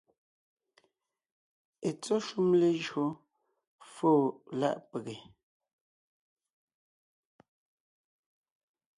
Etsɔ́ shúm lejÿo fóo láʼ pege,